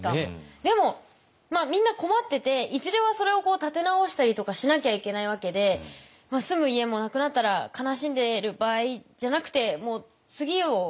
でもみんな困ってていずれはそれを建て直したりとかしなきゃいけないわけで住む家もなくなったら悲しんでる場合じゃなくてもう次を。